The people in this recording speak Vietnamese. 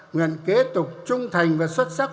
nguyện kế tục trung thành và xuất sắc